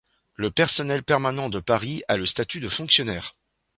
Le personnel permanent de Paris a le statut de fonctionnaires.